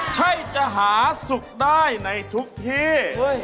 ใช่จะหาสุขได้ในทุกที่